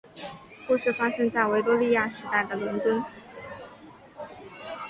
故事发生在维多利亚时代的伦敦。